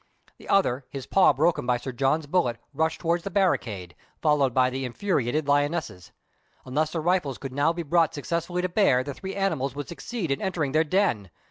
The other, his paw broken by Sir John's bullet, rushed towards the barricade, followed by the infu riated lionesses. Unless the rifles could now be brought successfully to bear, the three animals would succeed in entering their den.